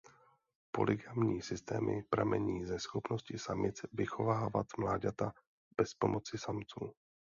Polygamní systémy pramení ze schopnosti samic vychovávat mláďata bez pomoci samců.